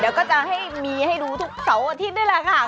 เดี๋ยวก็จะให้มีให้ดูทุกเสาร์อาทิตย์นี่แหละค่ะ